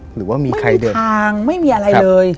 หรือว่ามีใครเดินทางไม่มีอะไรเลย